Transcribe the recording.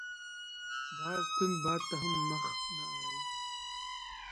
باز تند باد ته هم مخ نه اړوي